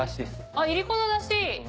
あっいりこの出汁！